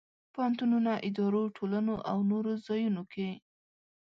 پوهنتونونو، ادارو، ټولنو او نور ځایونو کې.